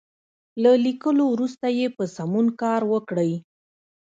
له ليکلو وروسته یې په سمون کار وکړئ.